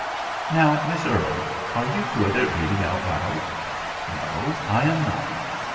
"Now, Miss Earle, are you good at reading out loud?" "No, I am not."